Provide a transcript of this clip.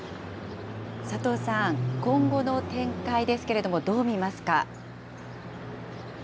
佐藤さん、今後の展開ですけれども、どう見ますか。